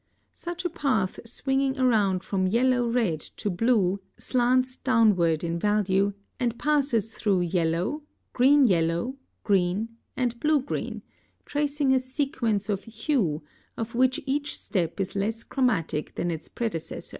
Such a path swinging around from yellow red to blue slants downward in value, and passes through yellow, green yellow, green, and blue green, tracing a sequence of hue, of which each step is less chromatic than its predecessor.